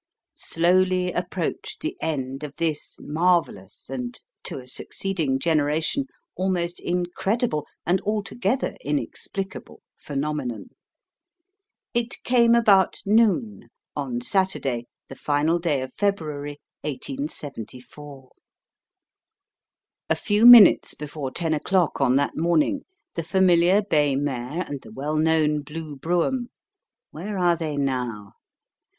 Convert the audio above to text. Slowly approached the end of this marvellous, and to a succeeding generation almost incredible, and altogether inexplicable, phenomenon. It came about noon, on Saturday, the final day of February, 1874. A few minutes before ten o'clock on that morning the familiar bay mare and the well known blue brougham where are they now?